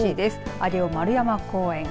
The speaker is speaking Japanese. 上尾丸山公園